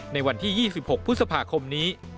ในวันที่๒๖พฤษภาคมนี้